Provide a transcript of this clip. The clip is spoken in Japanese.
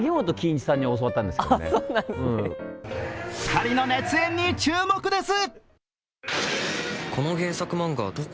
２人の熱演に注目です。